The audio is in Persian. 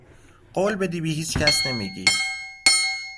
قول بدی به هیچکس نمیگی